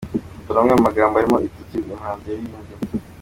Dore amwe mu magambo arimo ibitutsi uyu muhanzi yaririmbye :.